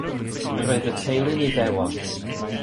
Roedd y teulu'n Iddewon.